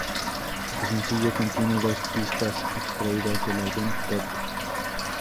El sencillo contiene dos pistas extraídas del álbum "Peep".